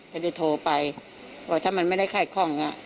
เขาเลยโทรไปว่าถ้ามันไม่ได้ค่ายข้องอ่ะ